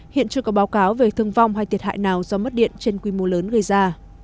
hiện chưa có báo cáo về thương vong hay thiệt hại nào do mất điện trên quy mô lớn gây ra